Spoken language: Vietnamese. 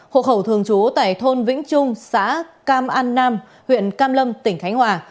hộ khẩu thường trú tại thôn vĩnh trung xã cam an nam huyện cam lâm tỉnh khánh hòa